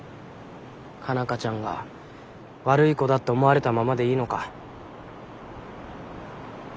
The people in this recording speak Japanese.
佳奈花ちゃんが悪い子だって思われたままでいいのか？